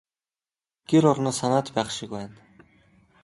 Гэр орноо санаад байх шиг байна.